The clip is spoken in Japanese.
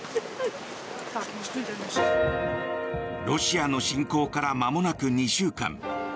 ロシアの侵攻からまもなく２週間。